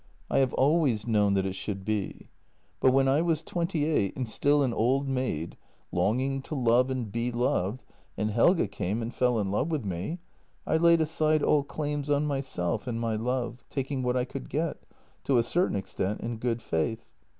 I have always known that it should be so. But when I was twenty eight and still an old maid, longing to love and be loved, and Helge came and fell in love with me, I laid aside all claims on myself and my love, taking what I could get — to a certain extent in good faith.